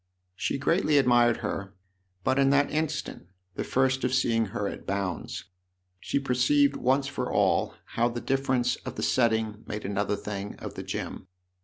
She greatly admired her, but in that instant, the first of seeing her at Bounds, she perceived once for all how the differ ence of the setting made another thing of the gem.